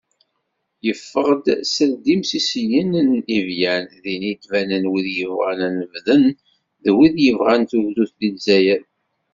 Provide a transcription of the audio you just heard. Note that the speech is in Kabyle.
Yeffeɣ-d seld imsisiyen n Ivyan, din i d-banen wid yebɣan ad nebḍen d wid yebɣan tugdut deg Lezzayer.